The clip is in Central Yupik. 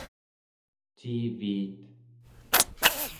ciiviit